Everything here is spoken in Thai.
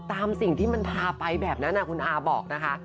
ตามสิ่งที่มันพาไปแบบนั้นคุณอาบอกนะคะ